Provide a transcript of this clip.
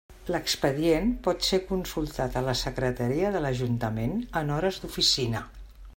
L'expedient pot ser consultat a la Secretaria de l'Ajuntament en hores d'oficina.